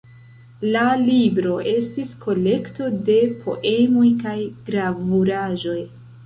La libro estis kolekto de poemoj kaj gravuraĵoj.